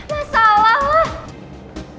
ya masalah lah